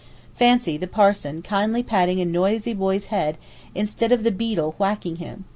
Fancy the parson kindly patting a noisy boy's head, instead of the beadle whacking him!